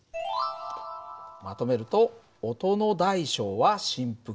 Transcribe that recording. まとめると音の大小は振幅。